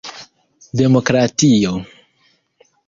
demokratio